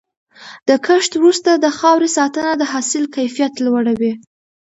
د کښت وروسته د خاورې ساتنه د حاصل کیفیت لوړوي.